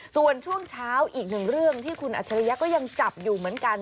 ส่วนช่วงเช้าอีกหนึ่งเรื่องที่คุณอัจฉริยะก็ยังจับอยู่เหมือนกัน